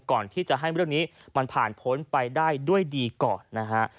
ก่อนที่จะให้เรื่องนี้มันผ่านพ้นไปได้ด้วยดีก่อนนะฮะ